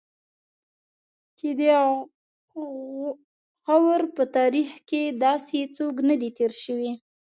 چې د غور په تاریخ کې داسې څوک نه دی تېر شوی.